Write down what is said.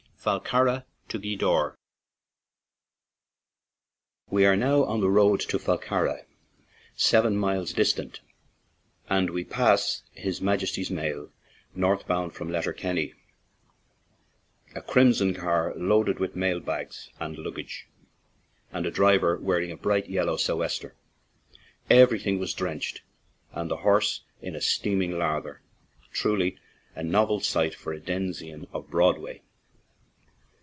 FALLCARRAGH TO GWEEDORE WE are now on the road to Fallcarragh, seven miles distant, and we pass his Majes ty's mail, northbound from Letterkenny, a crimson car loaded with mail bags and lug gage, and a driver wearing a bright yel low sou'wester. Everything was drenched and the horse in a steaming lather — truly a novel sight for a denizen of Broadway.